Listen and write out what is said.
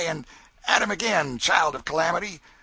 at him again, Child of Calamity!'